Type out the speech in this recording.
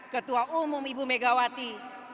ketua umum ibu megawati